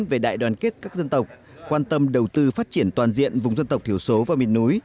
về đại đoàn kết các dân tộc quan tâm đầu tư phát triển toàn diện vùng dân tộc thiểu số và miền núi